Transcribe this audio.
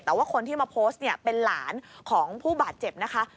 แต่ว่าคนที่มาโพสต์เนี่ยเป็นหลานของผู้บาดเจ็บนะคะ